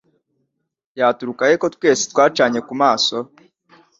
Yaturuka he ko twese twacanye kumaso